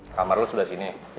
kamar lo sudah sini